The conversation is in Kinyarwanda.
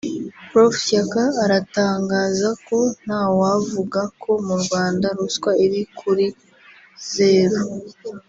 Prof Shyaka atangaza ko ntawavuga ko mu Rwanda ruswa iri kuri zeru